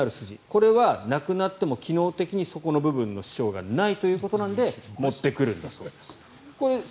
これはなくなっても機能的にそこの部分の支障がないということなので持ってくるんだそうです。